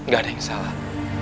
gak ada yang salah